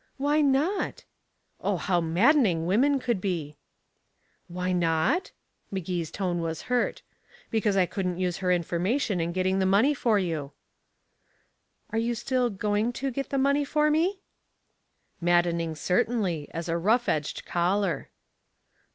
"Why not?" Oh, how maddening women could be! "Why not?" Magee's tone was hurt. "Because I couldn't use her information in getting the money for you." "You are still 'going to' get the money for me?" Maddening certainly, as a rough edged collar.